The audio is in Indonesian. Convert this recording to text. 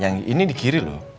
yang ini di kiri loh